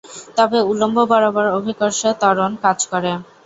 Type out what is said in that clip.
তবে উলম্ব বরাবর অভিকর্ষ ত্বরণ কাজ করে।